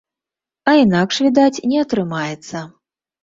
А інакш, відаць, не атрымаецца.